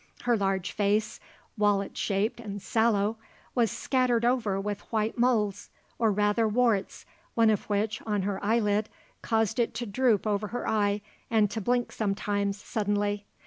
Her large face, wallet shaped and sallow, was scattered over with white moles, or rather, warts, one of which, on her eyelid, caused it to droop over her eye and to blink sometimes, suddenly.